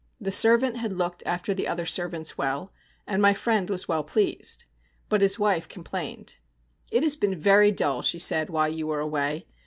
The servant had looked after the other servants well, and my friend was well pleased. But his wife complained. 'It has been very dull,' she said, 'while you were away.